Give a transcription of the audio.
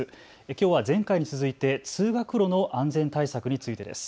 きょうは前回に続いて通学路の安全対策についてです。